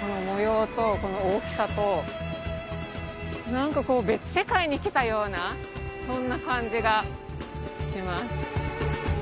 この模様とこの大きさと何かこう別世界に来たようなそんな感じがします